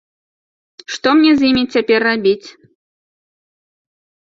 Што мне з імі цяпер рабіць?